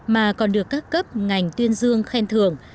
mà còn được các cấp ngành tuyên dương khen thưởng